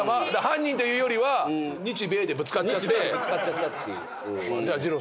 犯人というよりは日米でぶつかっちゃって日米でぶつかっちゃったっていうじろうさんは？